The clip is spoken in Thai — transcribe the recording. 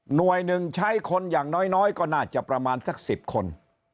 หนึ่งใช้คนอย่างน้อยก็น่าจะประมาณสัก๑๐คน